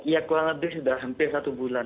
ya kurang lebih sudah hampir satu bulan